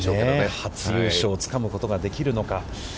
初優勝をつかむことができるのか。